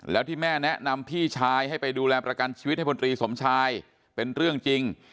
แล้วที่แม่แนะนำพี่ชายให้ไปดูแลประกันชีวิตให้พลตรีสมชายเป็นเรื่องจริง